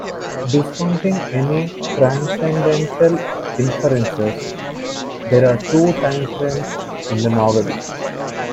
Discounting any transcendental inferences, there are two time-frames in the novel.